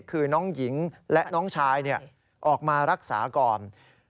คือน้องหญิงและน้องชายออกมารักษาก่อน